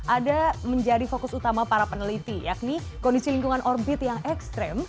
ada menjadi fokus utama para peneliti yakni kondisi lingkungan orbit yang ekstrim